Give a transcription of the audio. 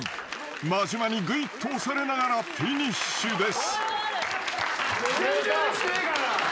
［間島にぐいっと押されながらフィニッシュです］